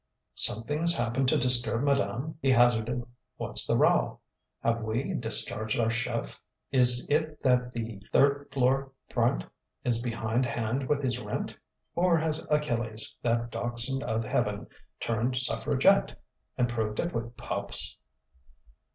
"Something's happened to disturb madame?" he hazarded. "What's the row? Have we discharged our chef? Is it that the third floor front is behindhand with his rent? Or has Achilles that dachshund of Heaven! turned suffragette and proved it with pups?"